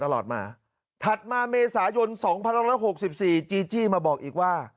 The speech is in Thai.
ตลอดมาถัดมาเมษายน๒๑๖๔จีจี้มาบอกอีกว่า